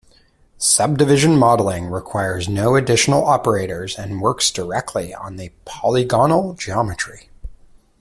Subdivision modeling requires no additional operators and works directly on the polygonal geometry.